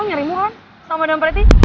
lo nyeri muat sama mbak mbak rety